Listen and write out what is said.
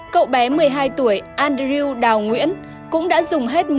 cậu bé một mươi hai tuổi andrew đào nguyễn cũng đã dùng hết một mươi chín